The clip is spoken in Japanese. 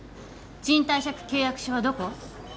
賃貸借契約書はどこ？